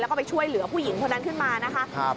แล้วก็ไปช่วยเหลือผู้หญิงคนนั้นขึ้นมานะคะ